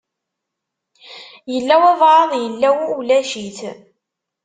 Yella walebɛaḍ yella, ulac-it.